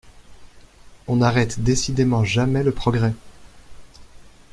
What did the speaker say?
On n'arrête décidément jamais le progrès!